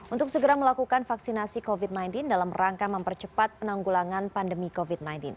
untuk segera melakukan vaksinasi covid sembilan belas dalam rangka mempercepat penanggulangan pandemi covid sembilan belas